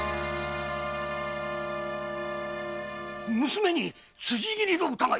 娘に「辻斬つじぎり」の疑い？